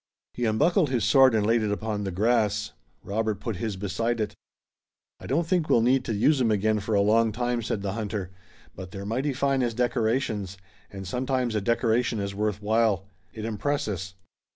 He unbuckled his sword and laid it upon the grass. Robert put his beside it. "I don't think we'll need to use 'em again for a long time," said the hunter, "but they're mighty fine as decorations, and sometimes a decoration is worth while. It impresses.